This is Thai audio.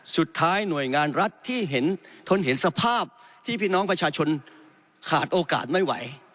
สุดท้ายหน่วยงานรัฐที่เห็นทนเห็นสภาพที่พี่น้องประชาชนขาดโอกาสไม่ไหว